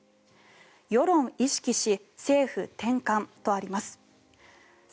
世論意識し政府転換とあります。